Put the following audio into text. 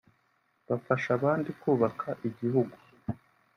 bafasha abandi kubaka igihugu